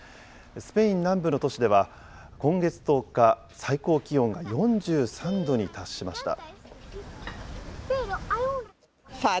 スペイン南部の都市では今月１０日、最高気温が４３度に達しました。